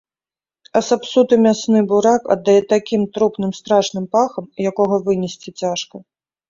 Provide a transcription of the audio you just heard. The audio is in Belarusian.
А сапсуты мясны бурак аддае такім трупным страшным пахам, якога вынесці цяжка.